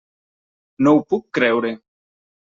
No ho puc creure.